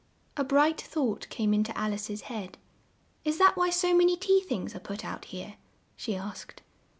A bright thought came in to Al ice's head. "Is that why so man y tea things are put out here?" she asked.